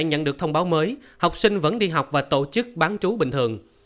nhận được thông báo mới học sinh vẫn đi học và tổ chức bán trú bình thường